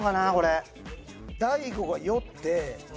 大悟が酔って。